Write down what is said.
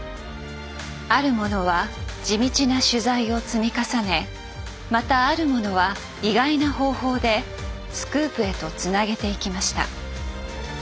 ある者は地道な取材を積み重ねまたある者は意外な方法でスクープへとつなげていきました。